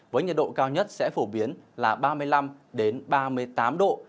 với nhiệt độ cao nhất sẽ phổ biến là ba mươi năm ba mươi tám độ